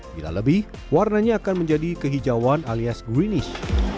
bila lebih warnanya akan menjadi kehijauan alias greenish